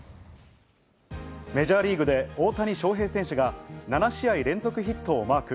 メジャーリーグで大谷翔平選手が７試合連続ヒットをマーク。